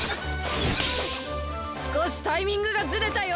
すこしタイミングがずれたよ！